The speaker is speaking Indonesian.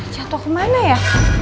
jatuh kemana ya